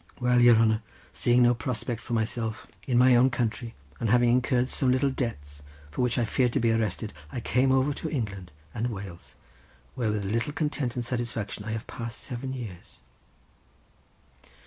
Well, your hanner, seeing no prospect for myself in my own country, and having incurred some little debts, for which I feared to be arrested, I came over to England and Wales, where with little content and satisfaction I have passed seven years."